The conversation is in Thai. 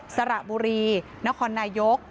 สระบุรีนครนายก